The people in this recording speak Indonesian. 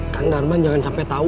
kan darman jangan sampai tau